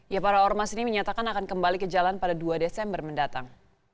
ya para ormas ini menyatakan akan kembali ke jalan pada dua desember mendatang